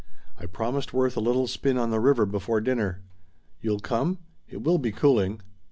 I promised Worth a little spin on the river before dinner. You'll come? It will be cooling."